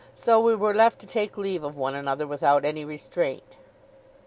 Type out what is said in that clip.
So we were left to take leave of one another without any restraint.